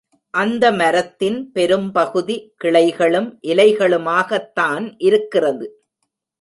அந்த மரத்தின் பெரும்பகுதி கிளைகளும், இலைகளுமாகத்தான் இருக்கிறது.